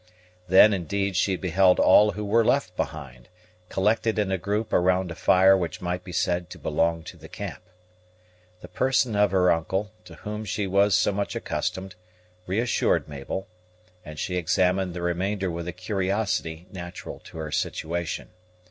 Then, indeed, she beheld all who were left behind, collected in a group around a fire which might be said to belong to the camp. The person of her uncle, to whom she was so much accustomed, reassured Mabel; and she examined the remainder with a curiosity natural to her situation.